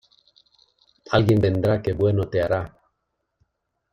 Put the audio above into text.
Alguien vendrá que bueno te hará.